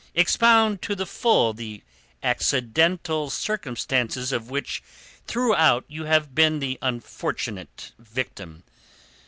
Expound to the full the accidental circumstances of which throughout you have been the unfortunate victim.